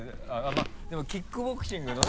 まぁでもキックボクシングのね。